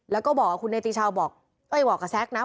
แล้วก็บอกกับคุณเนติชาวบอกเอ้ยบอกกับแซคนะ